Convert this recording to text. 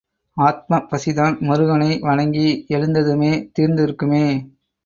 ஆத்மப் பசிதான் முருகனை வணங்கி எழுந்ததுமே தீர்ந்திருக்குமே!